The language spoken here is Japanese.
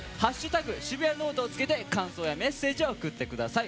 「＃シブヤノオト」を付けて感想やメッセージを送ってください。